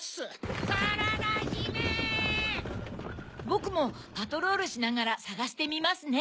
ぼくもパトロールしながらさがしてみますね。